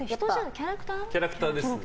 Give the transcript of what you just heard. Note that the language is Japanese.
キャラクターです。